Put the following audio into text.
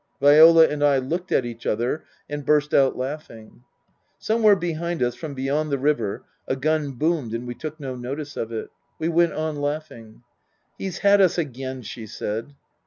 Viola and I looked at each other and burst out laugh ing. Somewhere behind us from beyond the river a gun boomed and we took no notice of it. We went on laughing. " He's had us again," she said.